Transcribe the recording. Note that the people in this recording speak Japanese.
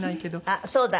あっそうだ！